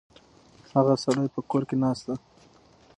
هغه سړی په کور کې ناست دی.